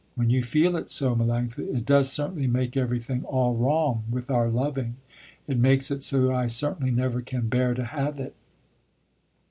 When you feel it so Melanctha, it does certainly make everything all wrong with our loving. It makes it so I certainly never can bear to have it."